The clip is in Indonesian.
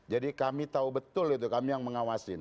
jadi kami tahu betul itu kami yang mengawasi